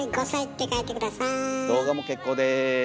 動画も結構です。